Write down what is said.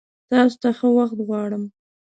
تاسو ته ښه وخت غوړم!